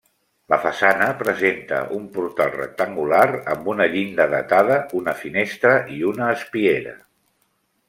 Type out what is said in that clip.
La façana presenta un portal rectangular amb una llinda datada, una finestra i una espiera.